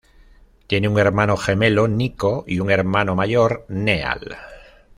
Tiene un hermano gemelo, Nico, y un hermano mayor, Neal.